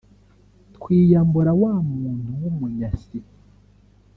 twiyambura wa muntu w’umunyasi